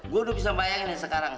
gue udah bisa bayangin nih sekarang